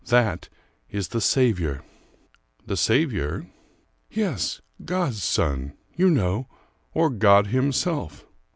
That is the Saviour." "The Saviour?" "Yes, God's son, you know; or God Himself."